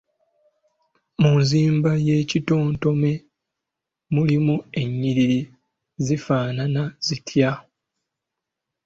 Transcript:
Mu nzimba y’ekitontome mulimu ennyiriri zifaanana zitya?